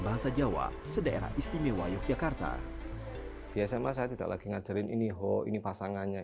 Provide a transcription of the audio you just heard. bahasa jawa se daerah istimewa yogyakarta di sma saya tidak lagi ngajarin ini ho ini pasangannya